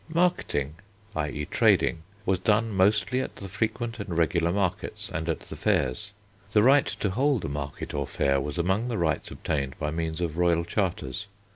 Marketing, i.e. trading, was done mostly at the frequent and regular markets and at the fairs. The right to hold a market or a fair was among the rights obtained by means of royal charters.